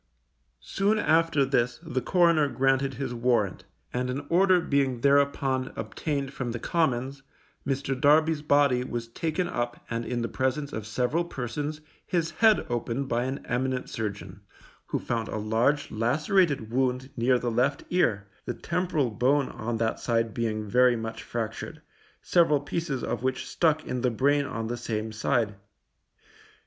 Soon after this the coroner granted his warrant, and an order being thereupon obtained from the Commons, Mr. Darby's body was taken up and in the presence of several persons, his head opened by an eminent surgeon, who found a large lacerated wound near the left ear, the temporal bone on that side being very much fractured, several pieces of which stuck in the brain on the same side.